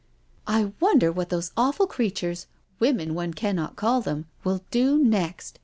" I wonder what those awful creatures, women one cannot call them, will do next?"